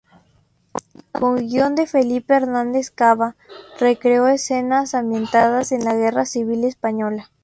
Con guion de Felipe Hernández Cava, recreó escenas ambientadas en la Guerra Civil Española.